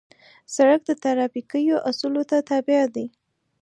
سړک د ترافیکو اصولو ته تابع دی.